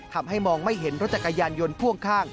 ทำให้มองไม่เห็นรถจักรยานยนต์พ่วงข้าง